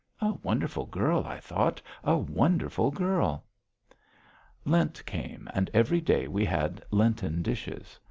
"A wonderful girl!" I thought "A wonderful girl." Lent came and every day we had Lenten dishes.